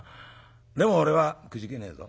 でも俺はくじけねえぞ。